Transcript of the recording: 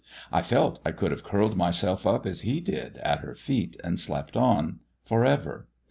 I felt I could have curled myself up, as he did, at her feet and slept on for ever.